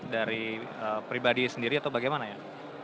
dari pribadi sendiri atau bagaimana ya